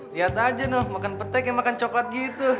lihat aja noh makan petai kayak makan coklat gitu